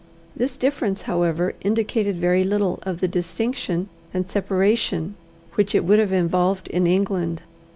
This difference, however, indicated very little of the distinction and separation which it would have involved in England.